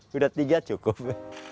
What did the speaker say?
sudah tiga cukup